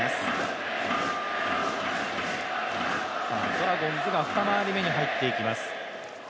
ドラゴンズが２周り目に入っていきます。